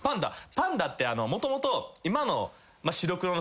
パンダってもともと今の。